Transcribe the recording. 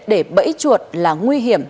để bẫy chuột là nguy hiểm